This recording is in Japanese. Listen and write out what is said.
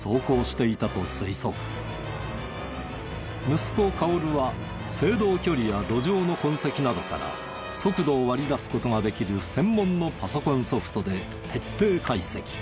息子薫は制動距離や路上の痕跡などから速度を割り出す事ができる専門のパソコンソフトで徹底解析。